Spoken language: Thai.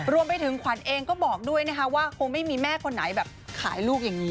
รวมไปถึงขวัญเองก็บอกด้วยนะคะว่าคงไม่มีแม่คนไหนแบบขายลูกอย่างนี้